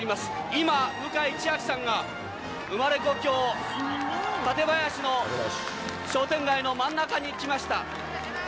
今、向井千秋さんが生まれ故郷、館林の商店街の真ん中に来ました。